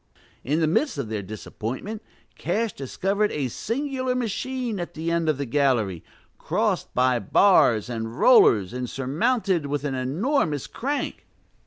In the midst of their disappointment, Cash discovered a singular machine at the end of the gallery, crossed by bars and rollers and surmounted with an enormous crank.